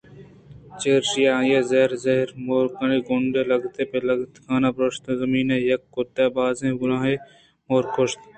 چرایشی ءَ آئی ءَ زہر ءَ زہر مُورانی ہونڈ لگت پہ لگت کنان ءَ پرٛوشت ءُ زمین ءَ یک کُت ءُ بازیں بے گُناہیں مورے کُشت